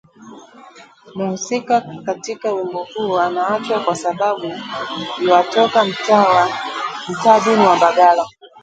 Mhusika katika wimbo huo anaachwa kwa sababu yuatoka mtaa duni wa Mbagala